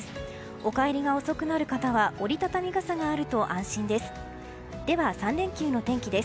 お帰りが遅くなる方は折り畳み傘があると安心です。